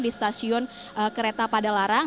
di stasiun kereta pada larang